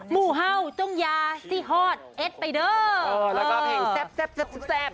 มูเห่าจ้องยาซี่ฮอร์ดเอ็ดไปเด้อเออแล้วก็เพลงแซ่บแซ่บแซ่บแซ่บใช่ไหม